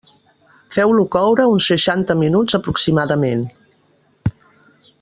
Feu-lo coure uns seixanta minuts aproximadament.